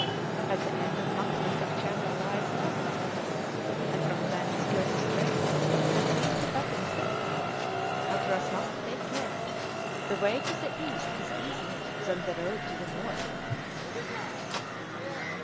At the end of McClintock Channel lies Melville Bay, and from thence go the straits that lead to Baffin's Bay. Hatteras must take care! The way to the east is easier than the road to the north!"